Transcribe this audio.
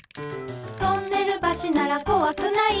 「トンネル橋ならこわくない」